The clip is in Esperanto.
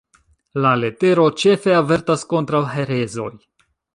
La letero ĉefe avertas kontraŭ herezoj.